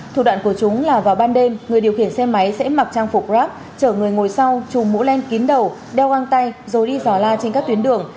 thủ đoạn của chúng là vào ban đêm người điều khiển xe máy sẽ mặc trang phục grab chở người ngồi sau chùm mũ len kín đầu đeo găng tay rồi đi dò la trên các tuyến đường